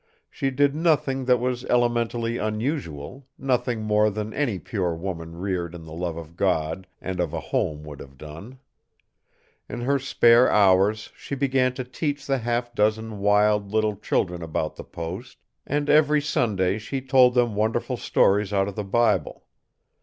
She did nothing that was elementally unusual, nothing more than any pure woman reared in the love of God and of a home would have done. In her spare hours she began to teach the half dozen wild little children about the post, and every Sunday she told them wonderful stories out of the Bible.